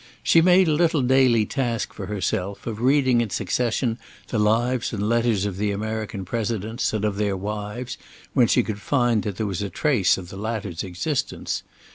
She made a little daily task for herself of reading in succession the lives and letters of the American Presidents, and of their wives, when she could find that there was a trace of the latter's existence.